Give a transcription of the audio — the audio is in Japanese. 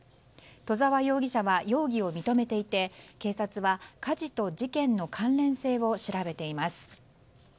戸沢容疑者は容疑を認めていて警察は、火事と事件の関連性を調べています。